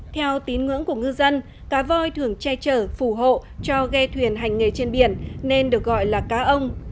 theo tín ngưỡng của ngư dân cá voi thường che chở phù hộ cho ghe thuyền hành nghề trên biển nên được gọi là cá ông